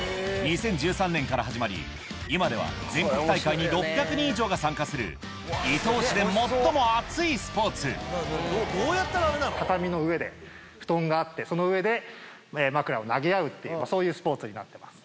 ２０１３年から始まり、今では全国大会に６００人以上が参加する、伊東市で最も熱いスポ畳の上で布団があって、その上で枕を投げ合うっていう、そういうスポーツになってます。